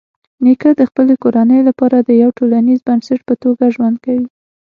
نیکه د خپلې کورنۍ لپاره د یوه ټولنیز بنسټ په توګه ژوند کوي.